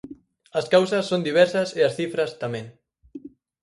As causas son diversas e as cifras, tamén.